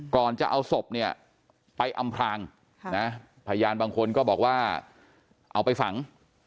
ก่อนจะเอาศพเนี่ยไปอำพลางพยานบางคนก็บอกว่าเอาไปฝัง